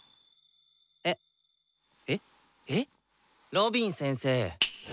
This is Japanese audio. ロビン先生。